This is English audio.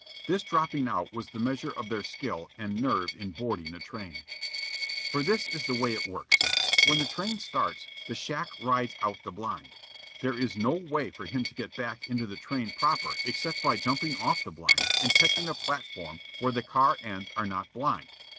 This dropping out was the measure of their skill and nerve in boarding a train. For this is the way it works. When the train starts, the shack rides out the blind. There is no way for him to get back into the train proper except by jumping off the blind and catching a platform where the car ends are not "blind."